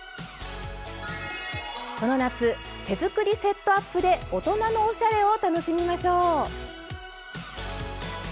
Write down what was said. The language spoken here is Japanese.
この夏手作りセットアップで大人のおしゃれを楽しみましょう。